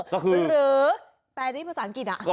ก็คือหรือแปลได้ที่ภาษาอังกฤษอ่ะ